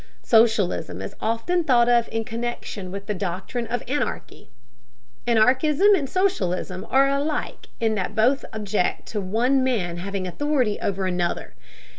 Socialism is often thought of in connection with the doctrine of anarchy. Anarchism and socialism are alike in that both object to one man having authority over another.